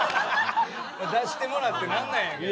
出してもらってなんなんやけど。